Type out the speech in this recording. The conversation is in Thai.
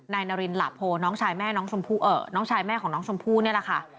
นารินหลาโพน้องชายแม่น้องชมพู่น้องชายแม่ของน้องชมพู่นี่แหละค่ะ